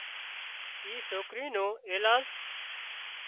اي سوڪري نو ايلاز